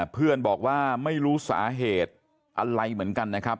เพื่อนบอกว่าไม่รู้สาเหตุอะไรเหมือนกันนะครับ